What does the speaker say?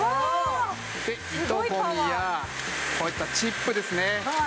で糸ゴミやこういったチップですね。